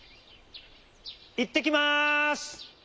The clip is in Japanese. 「いってきます！」。